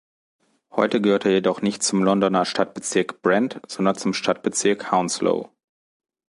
Heute gehört er jedoch nicht zum Londoner Stadtbezirk Brent, sondern zum Stadtbezirk Hounslow.